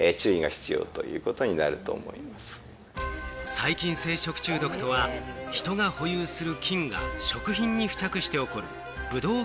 細菌性食中毒とは、人が保有する菌が食品に付着して起こるブドウ